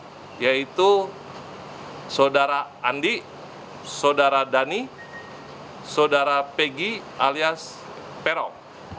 identitas yaitu sodara andi sodara dani sodara peggy alias perong